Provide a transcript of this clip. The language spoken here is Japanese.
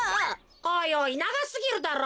おいおいながすぎるだろ。